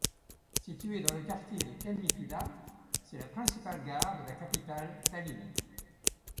Située dans le quartier de Kelmiküla, c'est la principale gare de la capitale Tallinn.